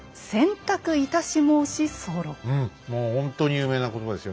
うんもうほんとに有名な言葉ですよ。